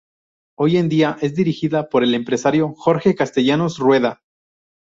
Hoy en día es dirigida por el empresario Jorge Castellanos Rueda.